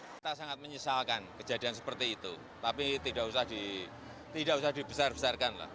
kita sangat menyesalkan kejadian seperti itu tapi tidak usah dibesar besarkan